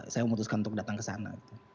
saya memutuskan untuk datang ke sana